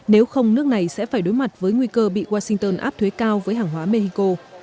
nếu không nước này sẽ phải đối mặt với nguy cơ bị washington áp thuế cao với hàng hóa mexico